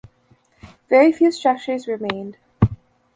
Very few structures remained.